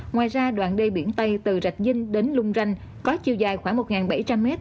ngoài ra đoạn đê biển tây từ rạch dinh đến lung ranh có chiều dài khoảng một bảy trăm linh m